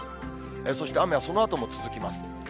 そして、雨はそのあとも続きます。